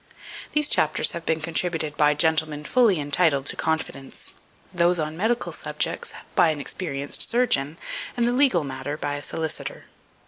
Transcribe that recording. These chapters have been contributed by gentlemen fully entitled to confidence; those on medical subjects by an experienced surgeon, and the legal matter by a solicitor.